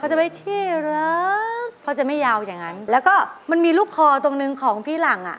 จะเป็นที่รักเขาจะไม่ยาวอย่างนั้นแล้วก็มันมีลูกคอตรงหนึ่งของพี่หลังอ่ะ